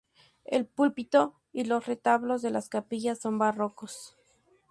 El púlpito y los retablos de las capillas son barrocos.